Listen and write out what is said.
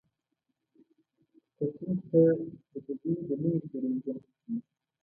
کتونکو ته د دوبۍ د نیمې پېړۍ ژوند ورښيي.